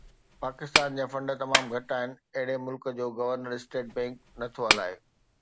پاڪستان جا فنڊ تمام گهٽ آهن، اهڙي ملڪ جو گورنر اسٽيٽ بئنڪ نٿو هلائي